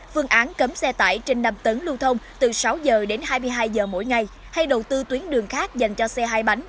phương án cấm xe tải trên năm tấn lưu thông từ sáu giờ đến hai mươi hai giờ mỗi ngày hay đầu tư tuyến đường khác dành cho xe hai bánh